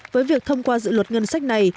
với việc thông qua dự luật ngân sách này